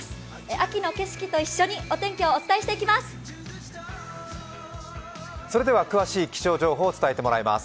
秋の景色と一緒にお天気をお伝えしていきます。